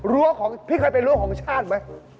รั้วของพี่เคยเป็นรั้วของชาติไหม